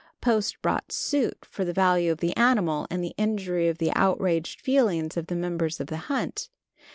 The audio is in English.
Post brought suit for the value of the animal, and the injury to the outraged feelings of the members of the hunt.